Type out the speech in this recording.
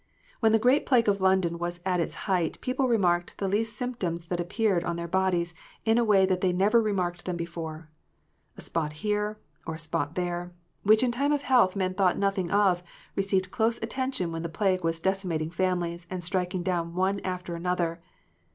When the great plague of London was at its height, people remarked the least symptoms that appeared on their bodies in a way that they never remarked them before. A spot here, or a spot there, which in time of health men thought nothing of, received close attention when the plague was decimating families, and striking down one after another